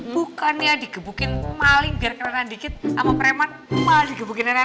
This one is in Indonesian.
bukannya digebukin maling biar nenek dikit sama preman maling digebukin nenek nenek